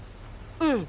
うん！